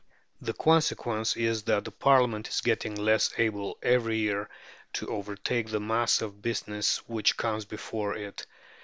The consequence is, that Parliament is getting less able every year to overtake the mass of business which comes before it.